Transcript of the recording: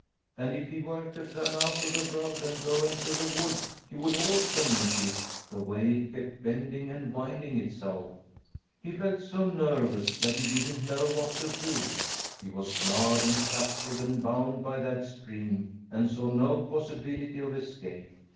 And if he were to turn out of the road and go into the wood, he would also meet it, the way it kept bending and winding itself! He felt so nervous that he didn't know what to do. He was snared and captured and bound by that stream, and saw no possibility of escape.